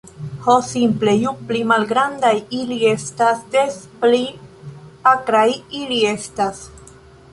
Ho simple, ju pli malgrandaj ili estas, des pli akraj ili estas.